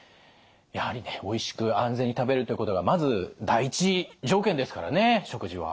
やはりおいしく安全に食べるということがまず第一条件ですからね食事は。